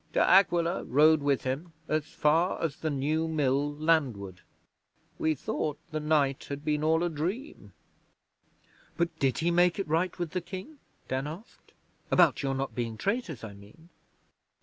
De Aquila rode with him as far as the New Mill landward. We thought the night had been all a dream.' 'But did he make it right with the King?' Dan asked. 'About your not being traitors, I mean.'